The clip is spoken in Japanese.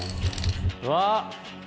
うわっ！